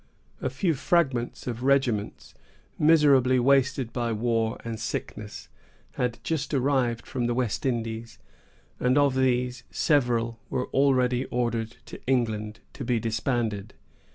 A few fragments of regiments, miserably wasted by war and sickness, had just arrived from the West Indies; and of these, several were already ordered to England, to be disbanded.